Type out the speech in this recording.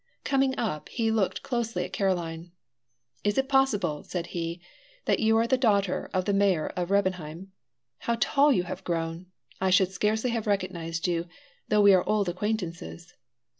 Coming up, he looked closely at Caroline. "Is it possible," said he, "that you are the daughter of the mayor of Rebenheim? How tall you have grown! I should scarcely have recognized you, though we are old acquaintances."